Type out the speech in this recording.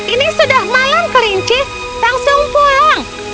ini sudah malam kelinci langsung pulang